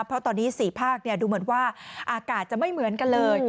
เพราะตอนนี้๔ภาคดูเหมือนว่าอากาศจะไม่เหมือนกันเลย